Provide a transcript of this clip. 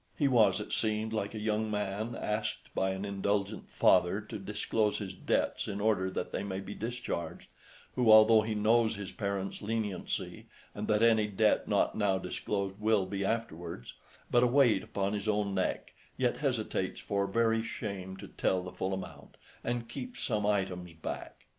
He was, it seemed, like a young man asked by an indulgent father to disclose his debts in order that they may be discharged, who, although he knows his parent's leniency, and that any debt not now disclosed will be afterwards but a weight upon his own neck, yet hesitates for very shame to tell the full amount, and keeps some items back.